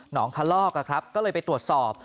หนองคลลอกครับก็เลยไปตรวจสอบ